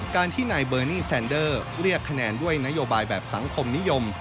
การที่นายเบอร์นี่แซนเดอร์เรียกคะแนนด้วยนโยบายแบบสังคมนิยม